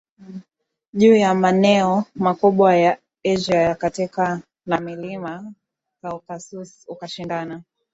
juu ya maneo makubwa ya Asia ya Kati na milima Kaukasus ukashindana